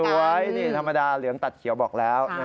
นี่ธรรมดาเหลืองตัดเขียวบอกแล้ว